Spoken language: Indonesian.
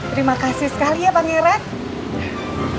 terima kasih sekali ya pak regar